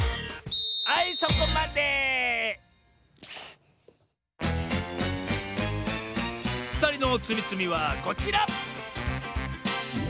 はいそこまでふたりのつみつみはこちら！